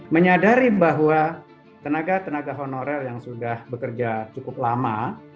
menyadari bahwa tenaga tenaga honorer yang sudah bekerja cukup lama